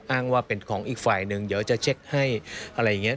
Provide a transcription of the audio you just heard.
อ้างว่าเป็นของอีกฝ่ายหนึ่งเดี๋ยวจะเช็คให้อะไรอย่างนี้